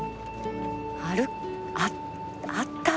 あるあっあった！